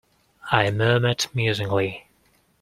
I murmured musingly.